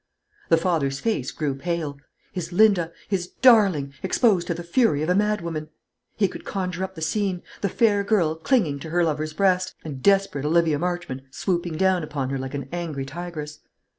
The father's face grew pale. His Linda, his darling, exposed to the fury of a madwoman! He could conjure up the scene: the fair girl clinging to her lover's breast, and desperate Olivia Marchmont swooping down upon her like an angry tigress.